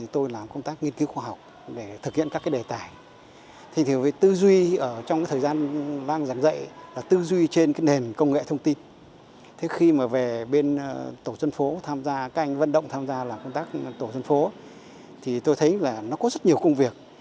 tôi thấy là nó có rất nhiều công việc